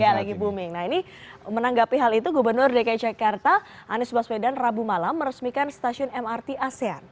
iya lagi booming nah ini menanggapi hal itu gubernur dki jakarta anies baswedan rabu malam meresmikan stasiun mrt asean